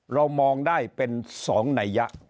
เรามองได้เป็น๒นัยยะ